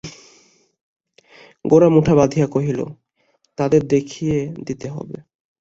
গোরা মুঠা বাঁধিয়া কহিল, তাদের দেখিয়ে দিতে হবে।